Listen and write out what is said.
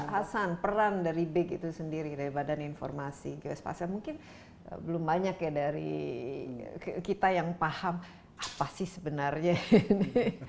hasan peran dari big itu sendiri dari badan informasi geospasial mungkin belum banyak ya dari kita yang paham apa sih sebenarnya ini